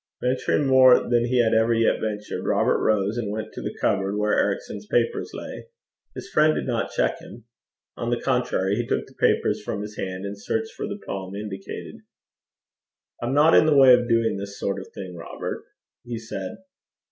Venturing more than he had ever yet ventured, Robert rose and went to the cupboard where Ericson's papers lay. His friend did not check him. On the contrary, he took the papers from his hand, and searched for the poem indicated. 'I'm not in the way of doing this sort of thing, Robert,' he said.